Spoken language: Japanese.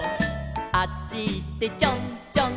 「あっちいってちょんちょん」